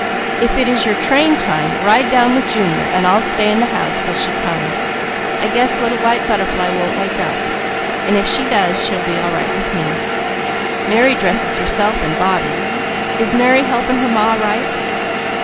If it is your train time, ride down with Junior, and I'll stay in the house till she comes. I guess Little White Butterfly won't wake up; and if she does, she'll be all right with me. Mary dresses herself and Bobbie. Is Mary helping her Ma right?"